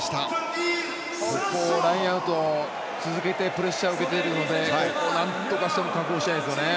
ラインアウト続けてプレッシャーを受けているのでなんとかして確保したいですね。